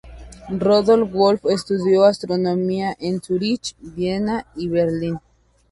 Rudolf Wolf estudió astronomía en Zúrich, Viena y Berlín.